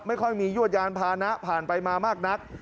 ไม่ค่อยมียวดยานพานะผ่านไปมามากนัก